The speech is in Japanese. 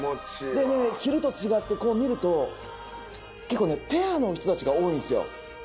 でね昼と違ってこう見ると結構ねペアの人たちが多いんですよ。